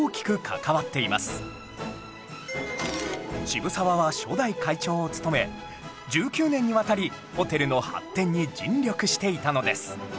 渋沢は初代会長を務め１９年にわたりホテルの発展に尽力していたのです